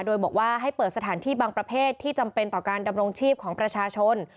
โดยบอกว่าให้เปิดสถานที่บางประเภทที่จำเป็นต่อการดำรงชีพของประชาชน